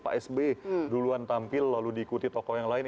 pak sbe duluan tampil lalu diikuti tokoh yang lain